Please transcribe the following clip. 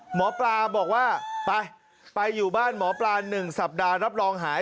หมอปลาบอกว่าไปไปอยู่บ้านหมอปลา๑สัปดาห์รับรองหาย